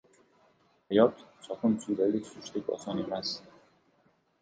• Hayot ― sokin suvdagi suzishdek oson emas.